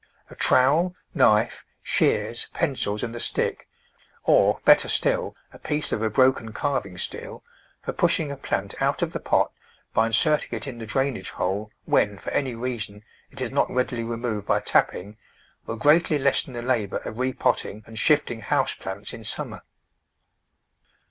A trowel, knife, shears, pencils and a stick— or, better still, a piece of a broken carving steel — for pushing a plant out of the pot by inserting it in the drainage hole when, for any reason, it is not readily removed by tapping, will greatly lessen the labour of repotting and shifting house plants in summer.